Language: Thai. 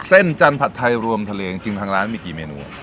จันทัดไทยรวมทะเลจริงทางร้านมีกี่เมนู